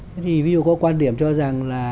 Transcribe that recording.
thế thì ví dụ có quan điểm cho rằng là